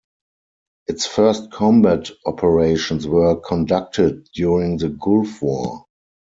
Its first combat operations were conducted during the Gulf War.